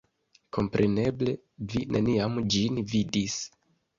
Kompreneble, vi neniam ĝin vidis.